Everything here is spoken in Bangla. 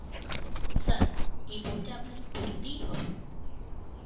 স্যার, আপনাকে বইটা পড়তেই হবে।